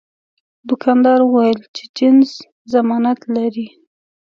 دوکاندار وویل چې جنس ضمانت لري.